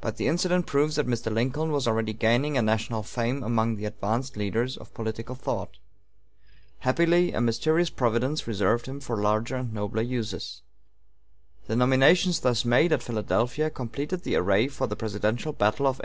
But the incident proves that Mr. Lincoln was already gaining a national fame among the advanced leaders of political thought. Happily, a mysterious Providence reserved him for larger and nobler uses. The nominations thus made at Philadelphia completed the array for the presidential battle of 1856.